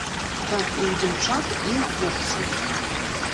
Так і ў дзяўчат, і ў хлопцаў.